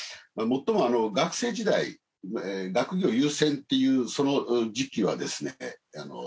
もっとも学生時代学業優先っていう時期はですね